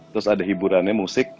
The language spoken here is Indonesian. terus ada hiburannya musik